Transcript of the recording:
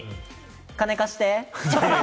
金貸して。